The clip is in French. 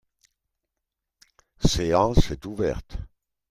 séance est ouverte.